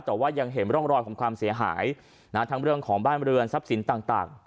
แต่ว่ายังเห็นร่องรอยของความเสียหายทั้งเรื่องของบ้านเรือนทรัพย์สินต่าง